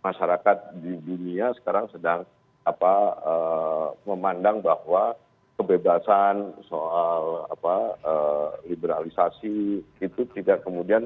masyarakat di dunia sekarang sedang memandang bahwa kebebasan soal liberalisasi itu tidak kemudian